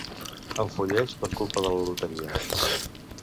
Enfolleix per culpa de la loteria.